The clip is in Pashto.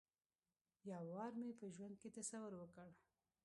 یو وار مې په ژوند کې تصور وکړ.